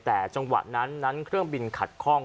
แต่จังหวะนั้นนั้นเครื่องบินขัดคล่อง